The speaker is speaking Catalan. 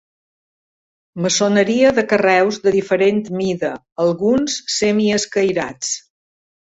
Maçoneria de carreus de diferent mida, alguns semi escairats.